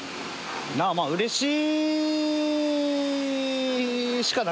まあうれしいしかなくね？